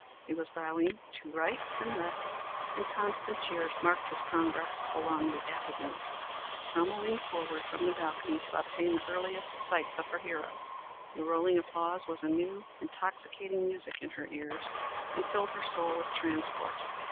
He was bowing to right and left, and constant cheers marked his progress along the avenue. Selma leaned forward from the balcony to obtain the earliest sight of her hero. The rolling applause was a new, intoxicating music in her ears, and filled her soul with transport.